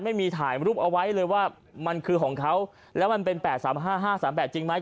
ไม่มีถ่ายรูปเอาไว้เลยว่ามันคือของเขาแล้วมันเป็น๘๓๕๕๓๘จริงไหม